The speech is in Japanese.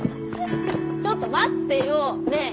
ちょっと待ってよねえ。